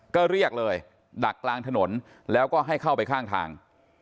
ก็เรียกเลยดักกลางถนนแล้วก็ให้เข้าไปข้างทาง